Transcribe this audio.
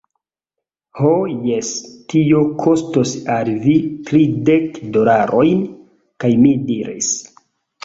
Ho jes, tio kostos al vi tridek dolarojn. kaj mi diris: